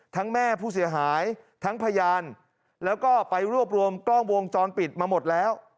แม่ผู้เสียหายทั้งพยานแล้วก็ไปรวบรวมกล้องวงจรปิดมาหมดแล้ว